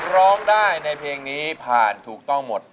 ร้องได้ในเพลงนี้ผ่านถูกต้องหมด